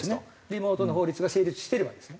リモートの法律が成立してればですね。